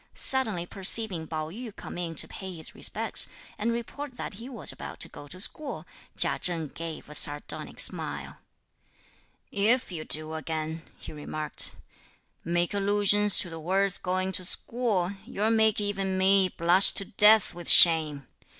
Suddenly perceiving Pao yü come in to pay his respects, and report that he was about to go to school, Chia Cheng gave a sardonic smile. "If you do again," he remarked, "make allusions to the words going to school, you'll make even me blush to death with shame!